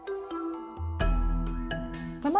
di luar pulau panggang